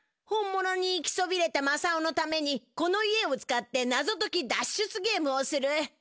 本物に行きそびれたまさおのためにこの家を使って謎とき脱出ゲームをする。